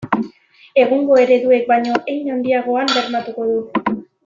Egungo ereduek baino hein handiagoan bermatuko du.